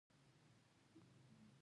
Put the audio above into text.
تڼیو ولسوالۍ غرنۍ ده؟